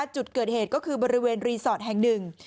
จุดเกิดเหตุก็คือบริเวณรีสอร์ทแห่งหนึ่ง